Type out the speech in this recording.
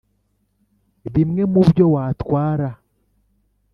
Bimwe mu byo watwara